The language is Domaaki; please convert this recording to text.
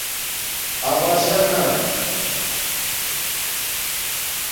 اَباشݳنہ